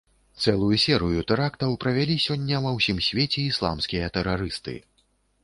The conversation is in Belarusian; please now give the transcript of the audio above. Цэлую серыю тэрактаў правялі сёння ва ўсім свеце ісламскія тэрарысты.